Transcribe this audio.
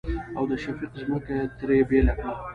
او د شفيق ځمکه يې ترې بيله کړه.